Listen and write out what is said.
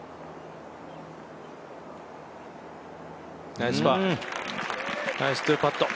ナイスパー、ナイス２パット。